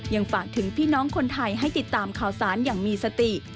ฝากถึงพี่น้องคนไทยให้ติดตามข่าวสารอย่างมีสติ